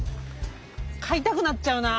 買いたくなっちゃうな